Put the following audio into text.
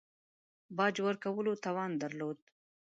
باج ورکولو توان درلود.